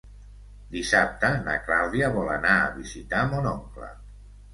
Dissabte na Clàudia vol anar a visitar mon oncle.